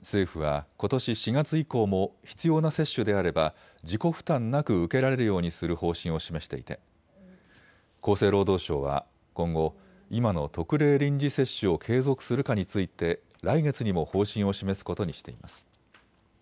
政府はことし４月以降も必要な接種であれば自己負担なく受けられるようにする方針を示していて厚生労働省は今後、今の特例臨時接種を継続するかについて来月にも方針を示すことにしています。